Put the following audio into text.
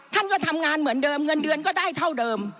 ท่านก็ทำงานเหมือนเดิมเงินเดือนก็ได้เท่าเดิม